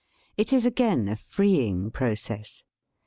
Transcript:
It is again a freeing process.